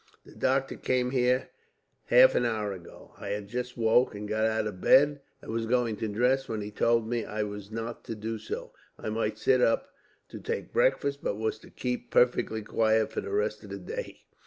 The doctor came here half an hour ago. I had just woke and got out of bed, and was going to dress, when he told me that I was not to do so. I might sit up to take breakfast, but was to keep perfectly quiet for the rest of the day.